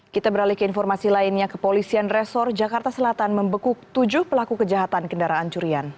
kita beralih ke informasi lainnya kepolisian resor jakarta selatan membekuk tujuh pelaku kejahatan kendaraan curian